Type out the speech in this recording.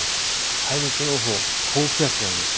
大陸のほう、高気圧があります。